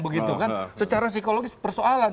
begitu kan secara psikologis persoalan